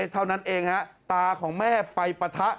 เท่านั้นเองฮะตาของแม่ไปปะทะ